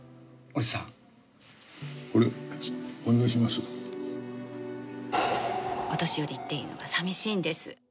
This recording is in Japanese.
お年寄りっていうのは寂しいんです。